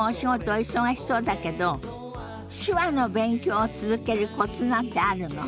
お忙しそうだけど手話の勉強を続けるコツなんてあるの？